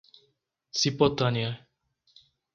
Cipotânea